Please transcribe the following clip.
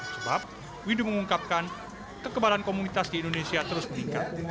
sebab widu mengungkapkan kekebalan komunitas di indonesia terus meningkat